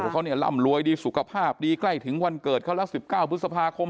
เขาเนี่ยร่ำรวยดีสุขภาพดีใกล้ถึงวันเกิดเขาละ๑๙พฤษภาคม